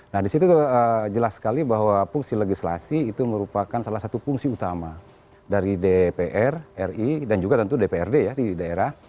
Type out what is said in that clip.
nah disitu jelas sekali bahwa fungsi legislasi itu merupakan salah satu fungsi utama dari dpr ri dan juga tentu dprd ya di daerah